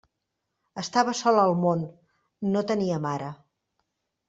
Estava sol al món; no tenia mare.